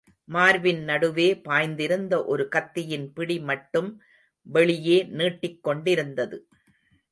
மார்பின் நடுவே பாய்ந்திருந்த ஒரு கத்தியின் பிடி மட்டும் வெளியே நீட்டிக் கொண்டிருந்தது.